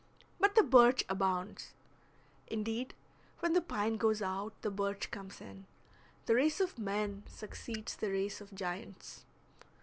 But the birch abounds. Indeed, when the pine goes out the birch comes in; the race of men succeeds the race of giants.